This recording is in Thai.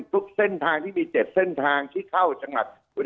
ทุกเส้นทางที่มี๗เส้นทางที่เข้าจังหวัด